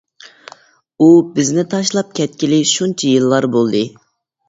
ئۇ بىزنى تاشلاپ كەتكىلى شۇنچە يىللار بولدى.